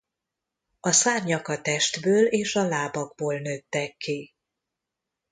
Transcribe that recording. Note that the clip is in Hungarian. A szárnyak a testből és a lábakból nőttek ki.